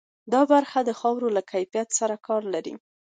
دا برخه د خاورې له کیفیت سره کار لري.